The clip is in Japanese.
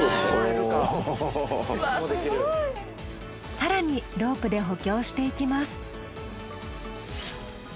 更にロープで補強していきます。